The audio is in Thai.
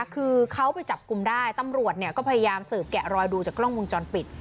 คือเขาไปจับกลุ่มได้ตำรวจก็พยายามสืบแกะรอยดูจากกล้องวงจรปิด